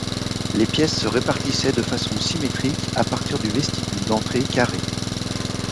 Les pièces se répartissaient de façon symétrique à partir du vestibule d'entrée carré.